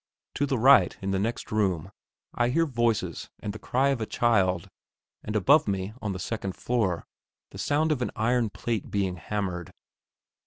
To the right, in the next room, I hear voices and the cry of a child, and above me, on the second floor, the sound of an iron plate being hammered.